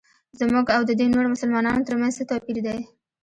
زموږ او ددې نورو مسلمانانو ترمنځ څه توپیر دی.